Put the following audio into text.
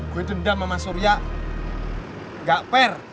gua dendam sama surya gak fair